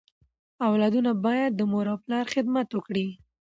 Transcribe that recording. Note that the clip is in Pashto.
اولادونه بايد د مور او پلار خدمت وکړي.